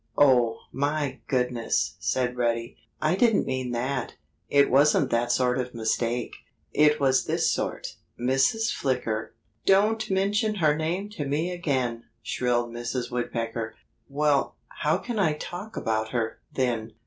"Oh, my goodness!" said Reddy. "I didn't mean that. It wasn't that sort of mistake. It was this sort: Mrs. Flicker——" "Don't mention her name to me again!" shrilled Mrs. Woodpecker. "Well, how can I talk about her, then?"